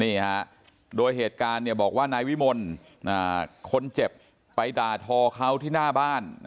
นี่ฮะโดยเหตุการณ์บอกว่านายวิมลคนเจ็บไปด่าทอเขาที่หน้าบ้าน